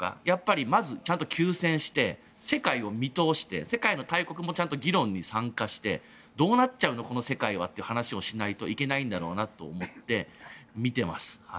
やっぱりまずちゃんと休戦して世界を見通して世界の大国もちゃんと議論に参加してどうなっちゃうのこの世界はという話をしないといけないんだろうなと思って見ています。